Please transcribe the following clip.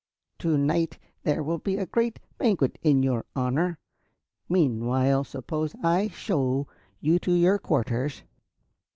"To night there will be a great banquet in your honor. Meanwhile, suppose I show you to your quarters."